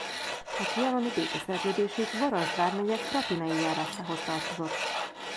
A trianoni békeszerződésig Varasd vármegye Krapinai járásához tartozott.